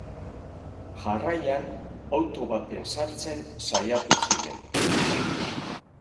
Jarraian, auto baten sartzen saiatu ziren.